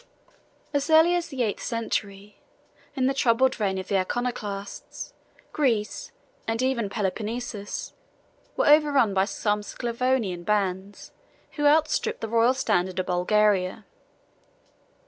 ] As early as the eighth century, in the troubled reign of the Iconoclasts, Greece, and even Peloponnesus, 15 were overrun by some Sclavonian bands who outstripped the royal standard of Bulgaria.